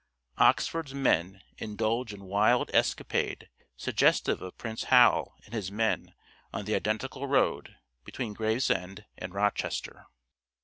" Oxford's men " indulge in wild escapade suggestive of Prince Hal and his men on the identical road (between Gravesend and Rochester).